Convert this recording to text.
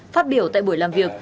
phát biểu tại buổi làm việc